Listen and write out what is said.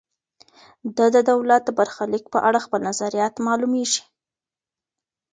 ده د دولت د برخلیک په اړه خپل نظریات معلوميږي.